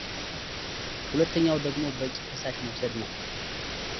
ሁለተኛው ደግሞ በቂ ፈሳሽ መውሰድ ነው።